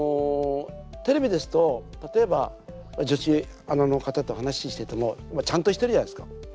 テレビですと例えば女子アナの方と話しててもちゃんとしてるじゃないですか。